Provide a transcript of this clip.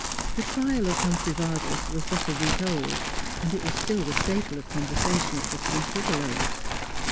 The trial of Humphrey Vargas was but a week old, and it was still the staple of conversation at the ' Three Sugar Loaves.'